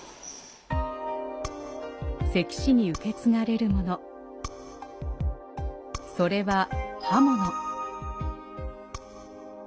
関市に受け継がれるもの、それは刃物。